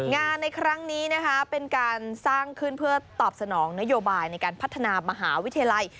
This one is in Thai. ในครั้งนี้นะคะเป็นการสร้างขึ้นเพื่อตอบสนองนโยบายในการพัฒนามหาวิทยาลัย